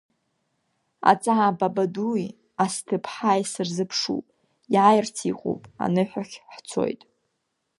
Аҵаа Бабадуи асҭыԥҳаи сырзыԥшуп, иааирц иҟоуп, аныҳәахь ҳцоит.